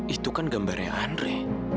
itu kan gambarnya andre